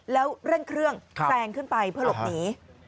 แล้วเร่งเครื่องแซงขึ้นไปเพื่อหลบหนี